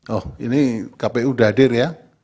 oh ini kpu dadir ya